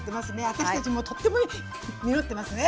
私たちもとっても実ってますね。